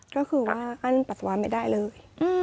ก็คือว่าท่านปัสสาวะไม่ได้เลย